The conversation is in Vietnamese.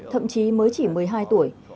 thậm chí mới chỉ một mươi hai tuổi